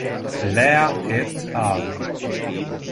Lea et al.